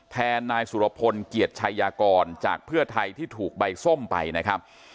แทนนายสุรพลเกียรติชัยยากรจากเพื่อไทยที่ถูกใบส้มไปนะครับ